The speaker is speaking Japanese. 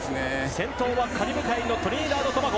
先頭はカリブ海のトリニダード・トバゴ。